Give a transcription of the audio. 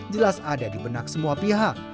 jelas ada di benak semua pihak